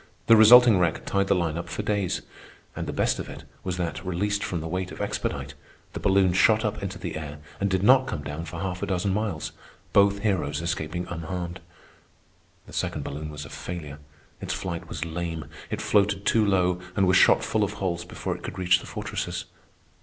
The resulting wreck tied the line up for days. And the best of it was that, released from the weight of expedite, the balloon shot up into the air and did not come down for half a dozen miles, both heroes escaping unharmed. The second balloon was a failure. Its flight was lame. It floated too low and was shot full of holes before it could reach the fortresses.